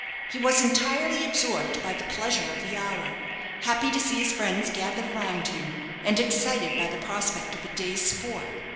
He was entirely absorbed by the pleasure of the hour, happy to see his friends gathered around him, and excited by the prospect of a day's sport.